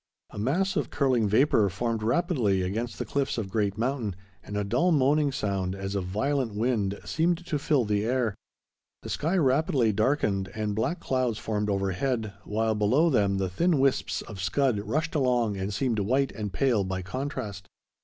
A mass of curling vapor formed rapidly against the cliffs of Great Mountain, and a dull moaning sound, as of violent wind, seemed to fill the air. The sky rapidly darkened and black clouds formed overhead, while below them the thin wisps of scud rushed along and seemed white and pale by contrast.